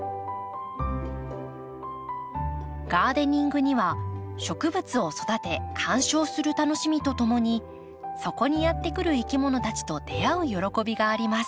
ガーデニングには植物を育て観賞する楽しみとともにそこにやって来るいきものたちと出会う喜びがあります。